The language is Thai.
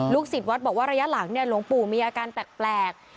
ศิษย์วัดบอกว่าระยะหลังเนี่ยหลวงปู่มีอาการแปลก